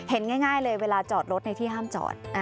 ง่ายเลยเวลาจอดรถในที่ห้ามจอด